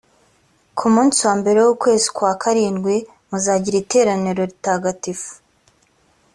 ku munsi wa mbere w’ukwezi kwa karindwi, muzagira iteraniro ritagatifu